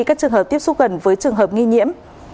các trường hợp tiếp xúc gần với trường hợp nghi nhiễm